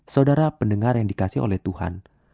saudara pendengar yang dikasih oleh tuhan